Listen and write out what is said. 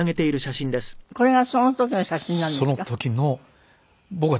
これがその時の写真なんですか？